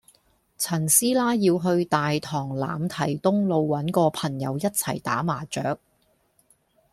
陳師奶要去大棠欖堤東路搵個朋友一齊打麻雀